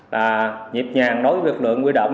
là nhịp nhàng đối với lực lượng quy động